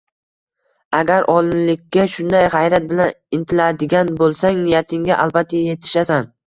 Agar olimlikka shunday gʻayrat bilan intiladigan boʻlsang, niyatingga albatta yetishasan